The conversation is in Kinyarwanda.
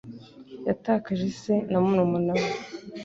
Yatakaje se na murumuna we.